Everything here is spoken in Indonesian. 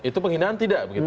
itu penghinaan tidak begitu